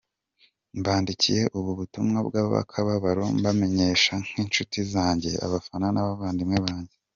Mbandikiye ubu butumwa bw’akababaro mbamenyesha nk’inshuti zanjye, abafana n’abavandimwe banjye.